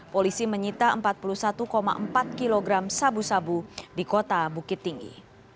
polisi menyita empat puluh satu empat kg sabu sabu di kota bukit tinggi